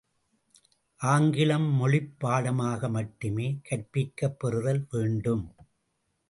ஆங்கிலம் மொழிப் பாடமாக மட்டுமே கற்பிக்கப் பெறுதல் வேண்டும்.